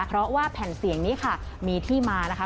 เพราะว่าแผ่นเสียงนี้ค่ะมีที่มานะคะ